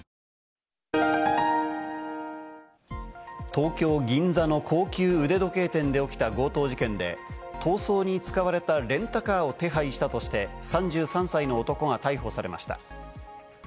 東京・銀座の高級腕時計店で起きた強盗事件で、逃走に使われたレンタカーを手配したとして３３歳の男が逮捕されました。